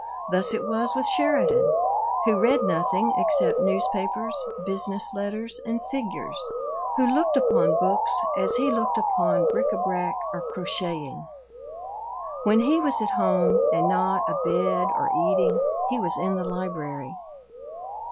Thus it was with Sheridan, who read nothing except newspapers, business letters, and figures; who looked upon books as he looked upon bric a brac or crocheting when he was at home, and not abed or eating, he was in the library.